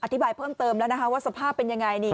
อธิบายเพิ่มเติมแล้วนะคะว่าสภาพเป็นยังไง